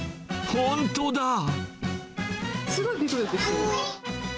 本当だ。